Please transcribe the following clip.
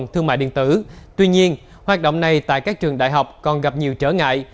thương mại điện tử tuy nhiên hoạt động này tại các trường đại học còn gặp nhiều trở ngại